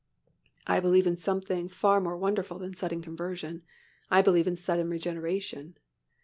I believe in something far more wonderful than sudden conversion. I believe in sudden regeneration.